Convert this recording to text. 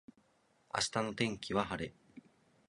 明日の天気は晴れ。